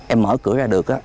em mở cửa ra được á